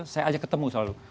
saya aja ketemu selalu